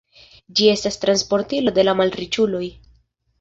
Ĝi estis transportilo de la malriĉuloj.